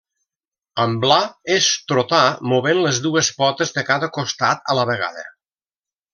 Amblar és trotar movent les dues potes de cada costat a la vegada.